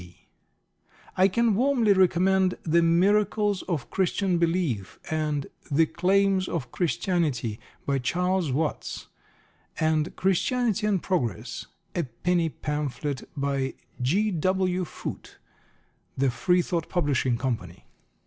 C. I can warmly recommend The Miracles of Christian Belief and The Claims of Christianity, by Charles Watts, and Christianity and Progress, a penny pamphlet, by G. W. Foote (The Freethought Publishing Company).